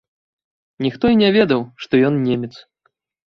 Ніхто і не ведаў, што ён немец.